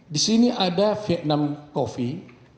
disini ada vietnam coffee